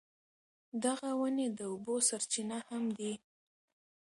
دغه ونې د اوبو سرچینه هم دي.